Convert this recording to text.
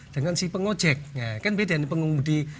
dengan si pengojek kan beda ini